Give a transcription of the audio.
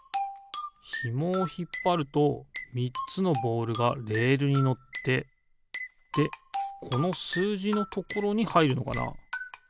ひもをひっぱると３つのボールがレールにのってでこのすうじのところにはいるのかな？